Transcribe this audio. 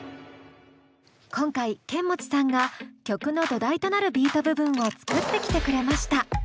今回ケンモチさんが曲の土台となるビート部分を作ってきてくれました。